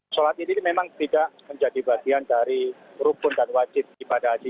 sholat ini memang tidak menjadi bagian dari rukun dan wajib ibadah haji